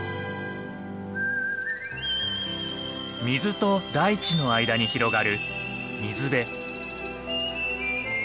水と大地の間に広がる水辺。